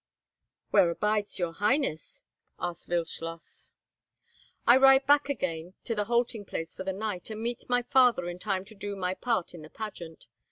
"Where abides your highness?" asked Wildschloss. "I ride back again to the halting place for the night, and meet my father in time to do my part in the pageant.